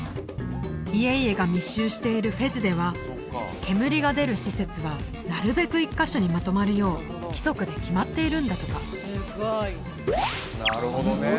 家々が密集しているフェズでは煙が出る施設はなるべく１カ所にまとまるよう規則で決まっているんだとかなるほどね